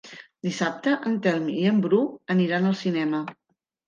Dissabte en Telm i en Bru aniran al cinema.